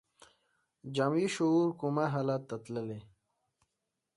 جمعي شعور کوما حالت ته تللی